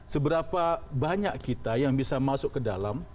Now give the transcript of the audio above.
seberapa banyak kita yang bisa masuk ke dalam